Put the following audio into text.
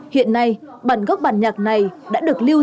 hiện nay bản gốc bản nhạc này đã được lưu